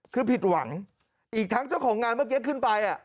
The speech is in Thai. คือผิดหวังอีกทั้งเจ้าของงานเมื่อกี้ขึ้นไป